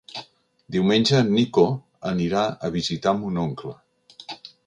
Diumenge en Nico anirà a visitar mon oncle.